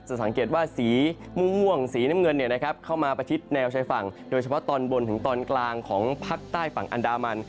สังเกตว่าสีม่วงสีน้ำเงินเข้ามาประชิดแนวชายฝั่งโดยเฉพาะตอนบนถึงตอนกลางของภาคใต้ฝั่งอันดามัน